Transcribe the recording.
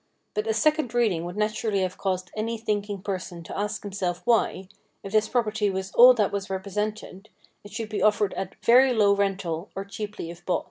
But a second reading would naturally have caused any thinking person to ask him self why, if this property was all that was represented, it should be offered at a very low rental, or cheaply if bought.